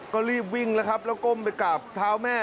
ก็รีบวิ่งแล้วครับแล้วก้มไปกราบเท้าแม่